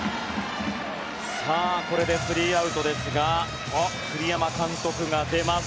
これでスリーアウトですが栗山監督が出ます。